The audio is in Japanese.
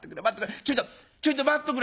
ちょいとちょいと待っとくれ」。